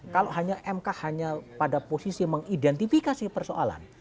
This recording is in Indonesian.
kalau hanya mk hanya pada posisi mengidentifikasi persoalan